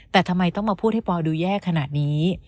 แต่ทำไมต้องมาพูดให้ปอดูแย่ขนาดนี้